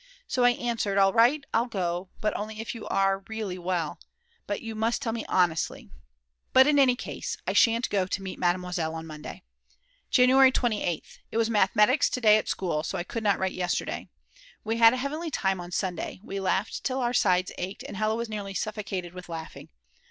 So I answered: "All right, I'll go, but only if you are really well. But you must tell me honestly." But in any case I shan't go to meet Mademoiselle on Monday. January 28th. It was Mathematics to day at school, so I could not write yesterday. We had a heavenly time on Sunday. We laughed till our sides ached and Hella was nearly suffocated with laughing.